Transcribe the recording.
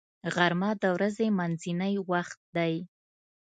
غرمه د ورځې منځنی وخت دی